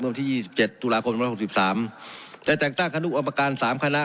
เมื่อวันที่๒๗ตุลาคม๑๙๖๓ได้แต่งตั้งคณุอุปการณ์๓คณะ